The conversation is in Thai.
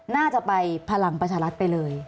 น่าจะไปพลังประชารัฐไปเลย